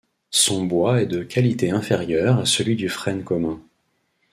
Son bois est de qualité inférieure à celui du frêne commun.